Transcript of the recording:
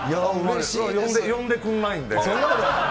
呼んでくれないんで。